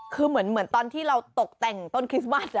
คือเหมือนตอนที่เราตกแต่งต้นคริสต์มัส